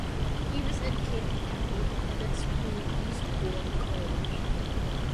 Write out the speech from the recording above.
He was educated at the independent school Eastbourne College.